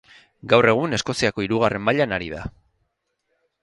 Gaur egun Eskoziako hirugarren mailan ari da.